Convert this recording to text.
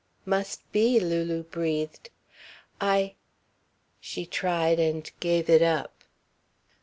"Must be," Lulu breathed. "I " she tried, and gave it up.